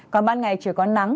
còn ban ngày chỉ có nắng